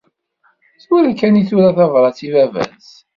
Tura kan i tura tabrat i baba-s.